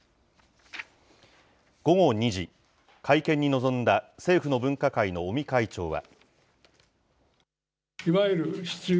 午後２時、会見に臨んだ政府の分科会の尾身会長は。